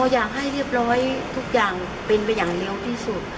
อยากให้เรียบร้อยทุกอย่างเป็นไปอย่างเร็วที่สุด